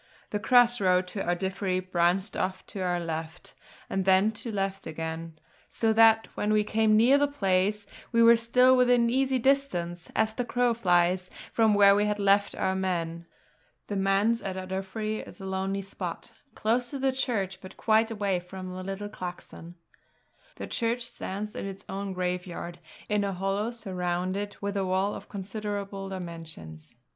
The cross road to Ardiffery branched off to our left, and then to the left again; so that when we came near the place, we were still within easy distance, as the crow flies, from where we had left our men. The Manse at Ardiffery is a lonely spot, close to the church, but quite away from the little clachan. The church stands in its own graveyard, in a hollow surrounded with a wall of considerable dimensions.